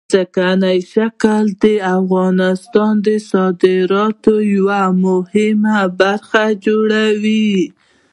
ځمکنی شکل د افغانستان د صادراتو یوه مهمه برخه جوړوي.